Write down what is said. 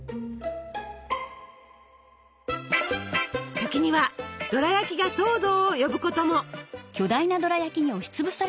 時にはドラやきが騒動を呼ぶことも。